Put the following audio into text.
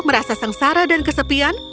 merasa sengsara dan kesepian